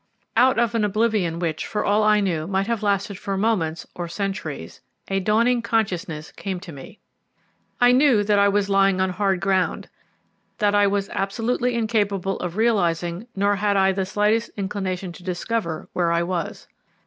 Out of an oblivion which, for all I knew, might have lasted for moments or centuries, a dawning consciousness came to me. I knew that I was lying on hard ground; that I was absolutely incapable of realising, nor had I the slightest inclination to discover, where I was.